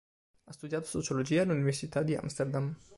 Ha studiato sociologia all'Università di Amsterdam.